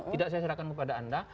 tidak saya serahkan kepada anda